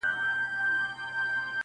قاضي صاحبه ملامت نه یم بچي وږي وه